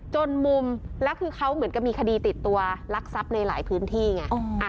จนมุมแล้วคือเขาเหมือนกับมีคดีติดตัวลักทรัพย์ในหลายพื้นที่ไง